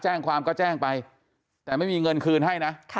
แจ้งความก็แจ้งไปแต่ไม่มีเงินคืนให้นะ